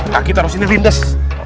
kaki taruh sini lindes